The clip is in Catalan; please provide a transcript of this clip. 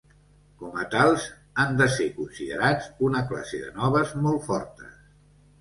Com a tals, han de ser considerats una classe de noves molt fortes.